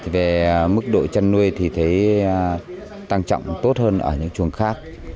về mức độ chăn nuôi thì thấy tăng trọng tốt hơn ở những chuồng khác